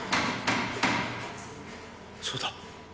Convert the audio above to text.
そうだ。